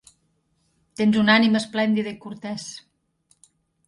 Tens una ànima esplèndida i cortès.